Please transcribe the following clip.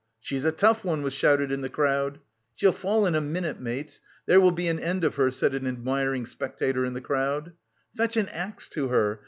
"She's a tough one," was shouted in the crowd. "She'll fall in a minute, mates, there will soon be an end of her," said an admiring spectator in the crowd. "Fetch an axe to her!